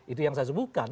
itu yang saya sebutkan